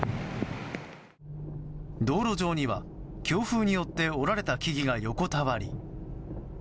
道路上には、強風によって折られた木々が横たわり。